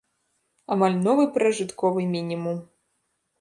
Амаль новы пражытковы мінімум.